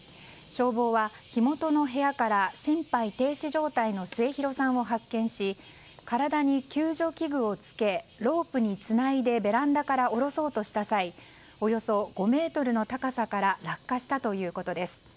消防は火元の部屋から心肺停止状態の末広さんを発見し、体に救助器具をつけロープにつないでベランダから降ろそうとした際およそ５ｍの高さから落下したということです。